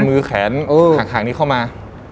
มือแขนห่างที่เขามา